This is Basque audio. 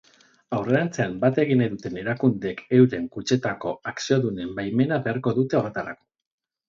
Aurrerantzean bat egin nahi duten erakundeek euren kutxetako akziodunen baimena beharko dute horretarako.